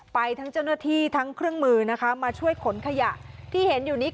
ไปทั้งเจ้าหน้าที่ทั้งเครื่องมือนะคะมาช่วยขนขยะที่เห็นอยู่นี้